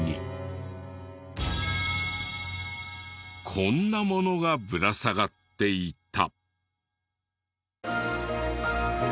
こんなものがぶら下がっていた。